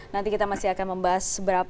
nanti kita masih akan membahas